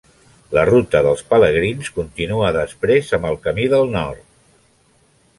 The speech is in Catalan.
La ruta dels pelegrins continua després amb el Camí del Nord.